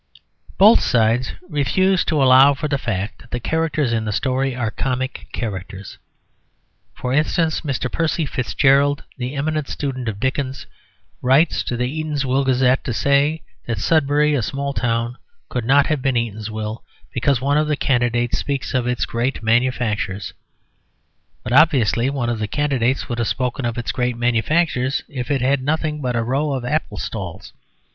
Both sides refuse to allow for the fact that the characters in the story are comic characters. For instance, Mr. Percy Fitzgerald, the eminent student of Dickens, writes to the Eatanswill Gazette to say that Sudbury, a small town, could not have been Eatanswill, because one of the candidates speaks of its great manufactures. But obviously one of the candidates would have spoken of its great manufactures if it had had nothing but a row of apple stalls.